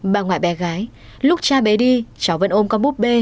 bà ngoại bé gái lúc cha bé đi cháu vẫn ôm con búp bê